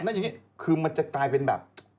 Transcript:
อย่าทิ้งทำรวจจับคือมันจะกลายเป็นแบบ